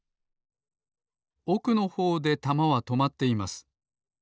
おくのほうでたまはとまっています。